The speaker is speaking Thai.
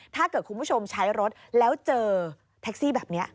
ถ้าเกิดคุณผู้ชมใช้รถแล้วเจอแท็กซี่แบบนี้